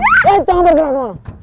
eh jangan bergerak